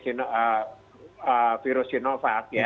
ini sebuah virus sinovac ya